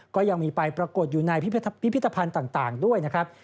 ก็ยังมีไปปรากฏอยู่ในพิพิธภัณฑ์ต่างด้วยนะครับ